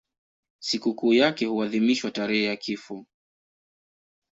Sikukuu yake huadhimishwa tarehe ya kifo.